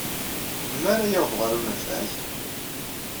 Melmi ara yaweḍ ɣer unafag?